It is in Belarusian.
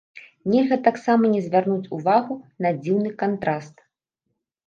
Нельга таксама не звярнуць увагу на дзіўны кантраст.